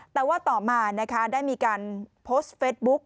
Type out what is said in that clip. แต่ว่าต่อมานะคะได้มีการโพสต์เฟสบุ๊ก